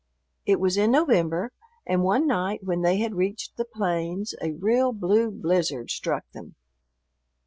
It was in November, and one night when they had reached the plains a real blue blizzard struck them.